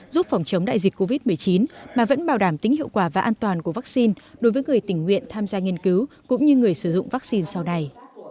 giúp phòng chống đại dịch covid một mươi chín mà vẫn bảo đảm tính hiệu quả và an toàn của vaccine đối với người tình nguyện tham gia nghiên cứu cũng như người sử dụng vaccine sau này